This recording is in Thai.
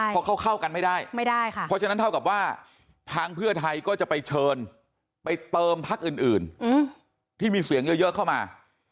เพราะเขาเข้ากันไม่ได้ไม่ได้ค่ะเพราะฉะนั้นเท่ากับว่าทางเพื่อไทยก็จะไปเชิญไปเติมพักอื่นที่มีเสียงเยอะเข้ามา